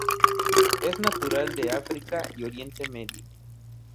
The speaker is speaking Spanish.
Es natural de África y Oriente Medio.